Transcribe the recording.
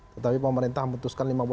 tetapi pemerintah memutuskan